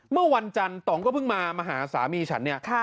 เมื่อวันจันทร์ต่องก็เพิ่งมามาหาสามีฉันเนี่ย